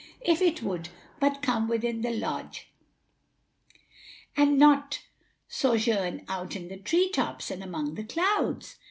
"If it would but come within the lodge and not sojourn out in the tree tops and among the clouds."